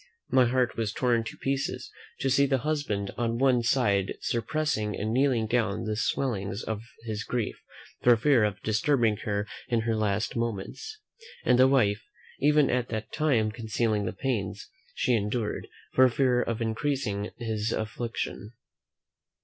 My heart was torn to pieces, to see the husband on one side suppressing and keeping down the swellings of his grief, for fear of disturbing her in her last moments; and the wife even at that time concealing the pains she endured, for fear of increasing his affliction.